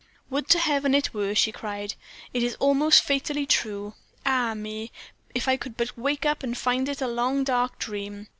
"Would to Heaven it were!" she cried. "It is all most fatally true. Ah! me, if I could but wake up and find it a long, dark dream!